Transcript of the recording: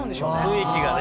雰囲気がね。